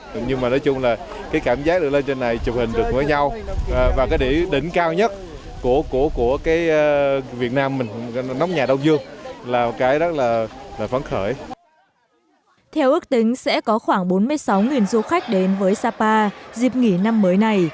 theo ước tính sẽ có khoảng bốn mươi sáu du khách đến với sapa dịp nghỉ năm mới này do đó để đảm bảo an toàn cho người dân